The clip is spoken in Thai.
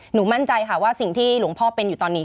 มั่นใจค่ะว่าสิ่งที่หลวงพ่อเป็นอยู่ตอนนี้